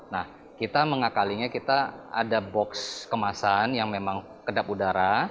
nah kita mengakalinya kita ada box kemasan yang memang kedap udara